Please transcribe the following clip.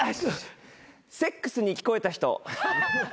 セックスに聞こえた人。